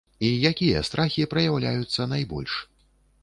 І якія страхі праяўляюцца найбольш?